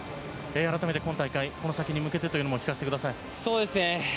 改めて、今大会この先に向けてというのも聞かせてください。